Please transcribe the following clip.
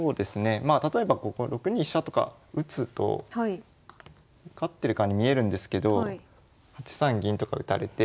まあ例えば６二飛車とか打つと受かってるかに見えるんですけど８三銀とか打たれて。